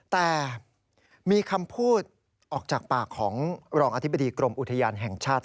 แต่มีคำพูดออกจากปากของรองอธิบดีกรมอุทยานแห่งชาติ